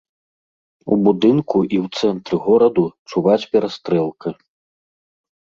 У будынку і ў цэнтры гораду чуваць перастрэлка.